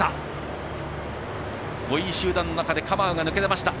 ５位集団の中でカマウが抜け出てました。